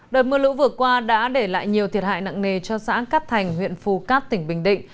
đợt mưa lũ vừa qua đã để lại nhiều thiệt hại nặng nề cho xã cát thành huyện phù cát tỉnh bình định